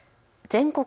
全国